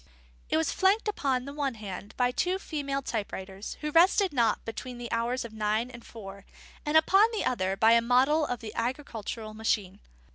_ It was flanked upon the one hand by two female type writers, who rested not between the hours of nine and four, and upon the other by a model of the agricultural machine.